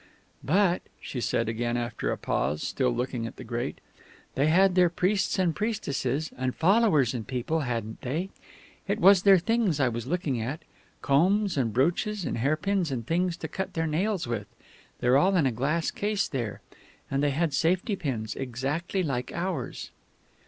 "But," she said again after a pause, still looking at the grate, "they had their priests and priestesses, and followers and people, hadn't they? It was their things I was looking at combs and brooches and hairpins, and things to cut their nails with. They're all in a glass case there. And they had safety pins, exactly like ours."